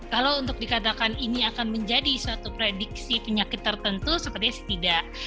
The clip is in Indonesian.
kalau untuk dikatakan ini akan menjadi suatu prediksi penyakit tertentu sepertinya sih tidak